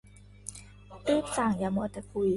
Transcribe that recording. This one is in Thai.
รีบสั่ง อย่ามัวแต่คุย